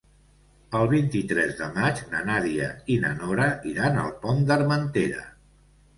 El vint-i-tres de maig na Nàdia i na Nora iran al Pont d'Armentera.